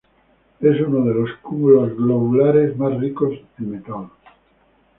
Es uno de los cúmulos globulares más ricos en metal.